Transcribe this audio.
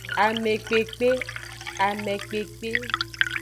Amekpekpe, amekpekpe.